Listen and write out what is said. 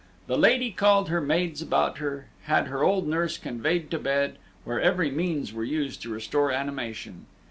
The lady called her maids about her, had her old nurse conveyed to bed, where every means were used to restore animation.